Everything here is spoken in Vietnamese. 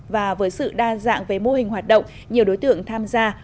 và với sự đa dạng về mô hình hoạt động nhiều đối tượng tham gia